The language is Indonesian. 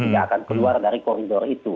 tidak akan keluar dari koridor itu